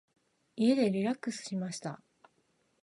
家でリラックスしました。